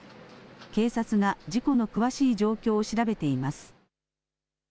警察が事故の詳しい状況を調べています。